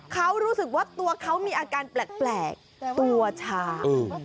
เขารู้สึกว่าตัวเขามีอาการแปลกตัวชา